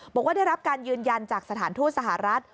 บอกว่าได้รับการยืนยันจากสถานทูตสหรัฐ